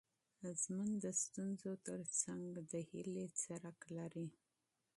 ژوند د ستونزو تر څنګ د امید څرک لري.